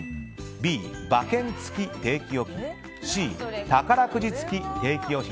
Ｂ、馬券付き定期預金Ｃ、宝くじ付き定期預金。